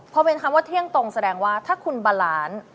พอเป็นคำว่าเที่ยงตรงแสดงว่าถ้าคุณบาลานซ์